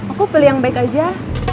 aku pilih yang baik aja